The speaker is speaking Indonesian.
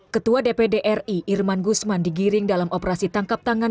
ketua dpd ri irman gusman digiring dalam operasi tangkap tangan